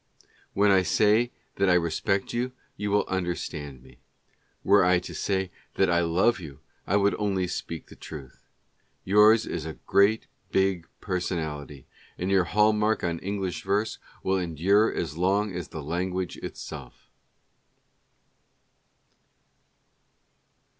When I say that I respect you, you will understand me ; were I to say that I love you, I would only speak the truth. Yours is a great, big personality, and your hall mark on English verse will endure as long as the language itself.